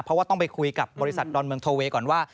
เพราะว่าต้องไปคุยกับบริษัทดอนเมืองโทเวย์ก่อนว่า